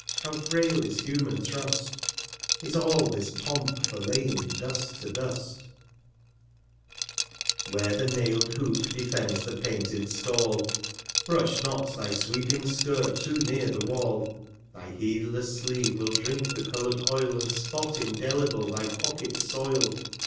how frail is human Trust! 235 Is all this Pomp for laying Dust to Dust ? Where the naiPd Hoop defends the painted Stall, Brush not thy sweeping Skirt too near the Wall ; Thy heedless Sleeve will drink the coloured Oil, iAnd Spot indelible thy Pocket soil.